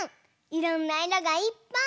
いろんないろがいっぱい！